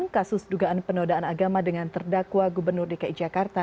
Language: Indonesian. kasus dugaan penodaan agama dengan terdakwa gubernur dki jakarta